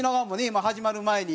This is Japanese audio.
今始まる前に。